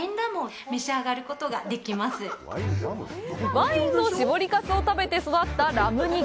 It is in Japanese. ワインの搾りかすを食べて育ったラム肉。